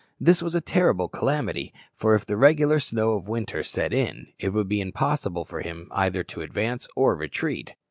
This was a terrible calamity, for if the regular snow of winter set in, it would be impossible for him either to advance or retreat.